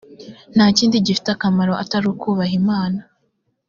nta kindi gifite akamaro atari ukubaha imana.